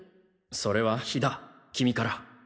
それは飛田君から。